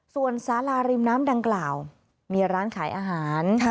ส่วนสาราริมน้ำดังกล่าวมีร้านขายอาหาร